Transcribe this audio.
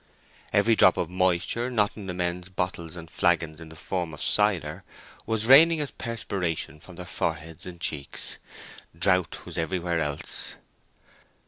Every drop of moisture not in the men's bottles and flagons in the form of cider was raining as perspiration from their foreheads and cheeks. Drought was everywhere else.